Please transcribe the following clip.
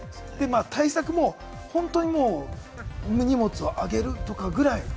対策も荷物をあげるとかぐらい。